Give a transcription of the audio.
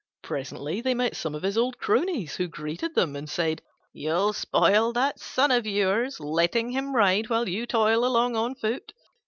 Presently they met some of his old cronies, who greeted them and said, "You'll spoil that Son of yours, letting him ride while you toil along on foot!